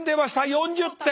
４０点。